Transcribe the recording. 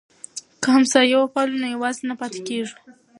که همسایه وپالو نو یوازې نه پاتې کیږو.